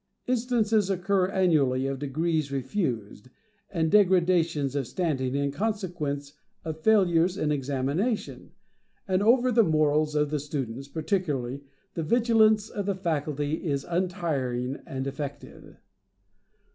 Instances occur annually of degrees refused, and degradations of standing in consequence of failures in examination; and over the morals of the students, particularly, the vigilance of the faculty is untiring and effective.